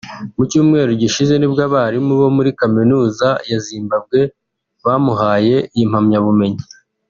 Mu cyumweru gishize nibwo abarimu bo muri Kaminuza ya Zimbabwe bamuhaye iyi mpamyabumenyi